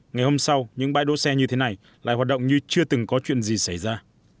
ngày hôm sau những bãi đỗ xe như thế này lại hoạt động như chưa từng có chuyện gì xảy ra